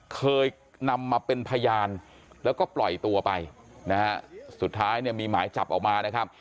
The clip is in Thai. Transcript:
เคยนำมาเป็นพยานแล้วก็ปล่อยตัวไปนะฮะสุดท้ายเนี่ยมีหมายจับออกมานะครับ